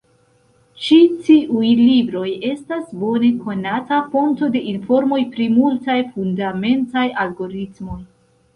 Ĉi tiuj libroj estas bone konata fonto de informoj pri multaj fundamentaj algoritmoj.